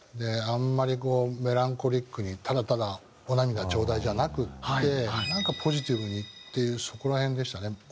あんまりこうメランコリックにただただお涙ちょうだいじゃなくってなんかポジティブにっていうそこら辺でしたね。